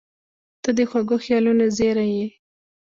• ته د خوږو خیالونو زېری یې.